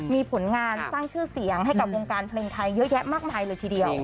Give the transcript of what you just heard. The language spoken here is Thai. มีผลงานสร้างชื่อเสียงให้กับวงการเพลงไทยเยอะแยะมากมายเลยทีเดียว